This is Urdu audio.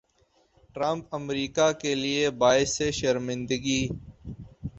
ٹرمپ امریکا کیلئے باعث شرمندگی